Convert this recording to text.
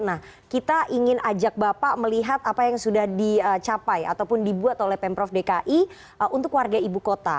nah kita ingin ajak bapak melihat apa yang sudah dicapai ataupun dibuat oleh pemprov dki untuk warga ibu kota